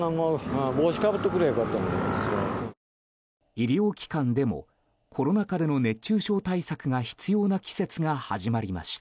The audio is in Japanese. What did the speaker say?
医療機関でもコロナ禍での熱中症対策が必要な季節が始まりました。